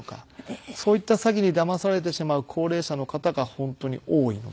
そういった詐欺にだまされてしまう高齢者の方が本当に多いので。